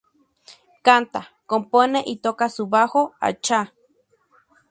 Canta, compone y toca su Bajo-Hacha.